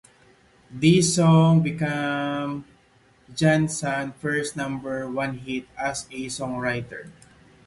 This song became Johnson's first number one hit as a songwriter.